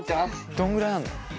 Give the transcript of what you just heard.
どんぐらいあんの？